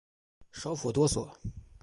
首府多索。